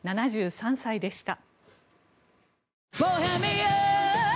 ７３歳でした。